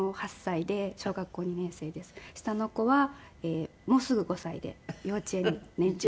下の子はもうすぐ５歳で幼稚園年長です。